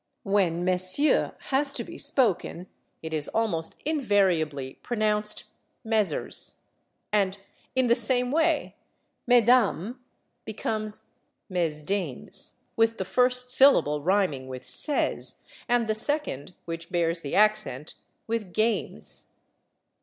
When /Messieurs/ has to be spoken it is almost invariably pronounced /messers/, and in the same way /Mesdames/ becomes /mez dames/, with the first syllable rhyming with /sez/ and the second, which bears the accent, with /games